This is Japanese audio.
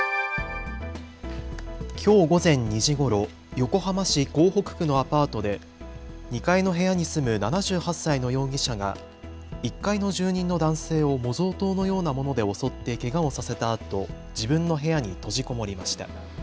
きょう午前２時ごろ横浜市港北区のアパートで２階の部屋に住む７８歳の容疑者が１階の住人の男性を模造刀のようなもので襲ってけがをさせたあと自分の部屋に閉じこもりました。